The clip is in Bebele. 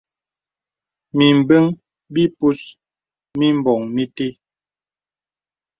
Mìmbəŋ bìpus mìmboŋ mìtə́.